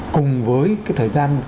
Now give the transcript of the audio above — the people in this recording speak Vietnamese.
cùng với cái thời gian